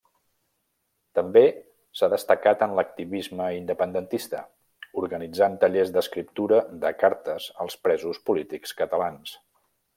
També s'ha destacat en l'activisme independentista, organitzant tallers d’escriptura de cartes als presos polítics catalans.